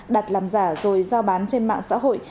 đặt làm giả rồi giao bán trên mạng xã hội